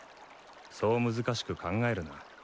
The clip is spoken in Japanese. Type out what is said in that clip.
そう難しく考えるな。